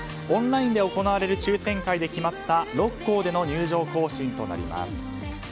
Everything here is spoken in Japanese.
オンラインで行われる抽選会で決まった６校での入場行進となります。